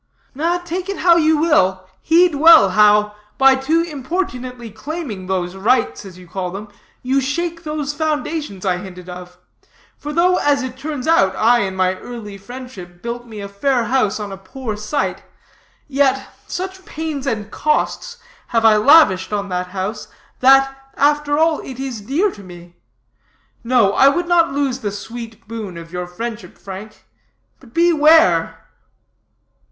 "Take it how you will, heed well how, by too importunately claiming those rights, as you call them, you shake those foundations I hinted of. For though, as it turns out, I, in my early friendship, built me a fair house on a poor site; yet such pains and cost have I lavished on that house, that, after all, it is dear to me. No, I would not lose the sweet boon of your friendship, Frank. But beware."